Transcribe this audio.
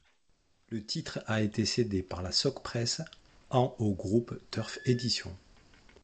Le titre a été cédé par la Socpresse en au groupe Turf Éditions.